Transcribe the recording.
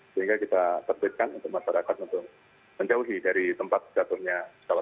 sehingga kita terbitkan untuk masyarakat untuk menjauhi dari tempat jatuhnya pesawat